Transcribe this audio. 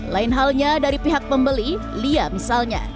lain halnya dari pihak pembeli lia misalnya